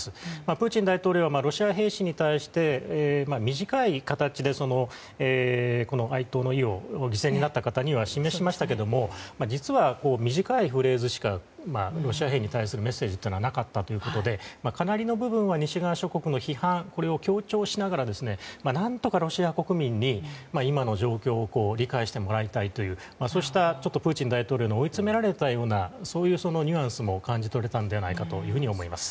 プーチン大統領はロシア兵士に対して短い形で犠牲になった方には哀悼の意を示しましたが実は、短いフレーズしかロシア兵に対するメッセージはなかったということでかなりの部分で西側諸国の批判を強調しながら何とかロシア国民に、今の状況を理解してもらいたいというそうしたプーチン大統領の追い詰められたようなそういうニュアンスも感じ取れたんじゃないかと思います。